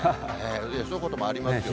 そういうこともありますよね。